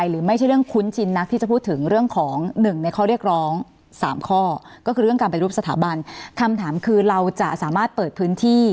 รู้สึกว่าต้องมีอีกด้าน